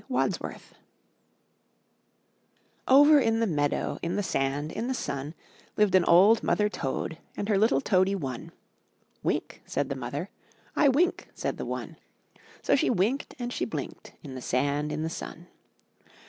Wadsworth Over in the meadow, In the sand, in the sun, Lived an old mother toad And her little toadie one. '*Wink,'' said the mother; '1 wink," said the one; So she winked and she blinked In the sand, in the sun.